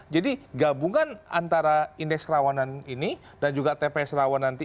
jadi gabungan antara indeks rawanan ini dan juga tps rawan nanti